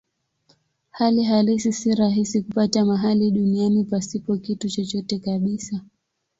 Hali halisi si rahisi kupata mahali duniani pasipo kitu chochote kabisa.